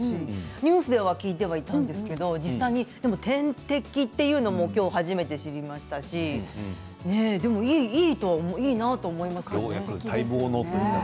ニュースでは聞いていたんですけど、実際に点滴というのも今日初めて知りましたしでもいいと思います。